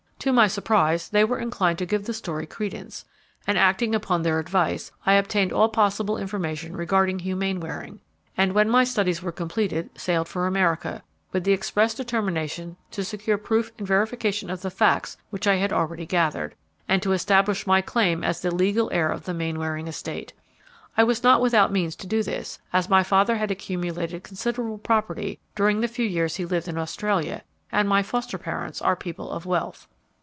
To my surprise, they were inclined to give the story credence; and, acting upon their advice, I obtained all possible information regarding Hugh Mainwaring, and, when my studies were completed, sailed for America, with the express determination to secure proof in verification of the facts which I had already gathered, and to establish my claim as the legal heir of the Mainwaring estate. I was not without means to do this, as my father had accumulated considerable property during the few years he lived in Australia, and my foster parents are people of wealth.